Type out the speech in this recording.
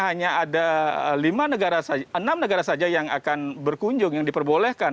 hanya ada enam negara saja yang akan berkunjung yang diperbolehkan